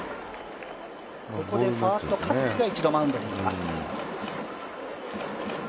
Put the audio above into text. ここでファースト・香月が１度、マウンドに行きます。